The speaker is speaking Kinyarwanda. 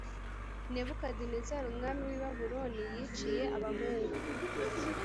Nebukadinezari Umwami w i Babuloni yiciye abahungu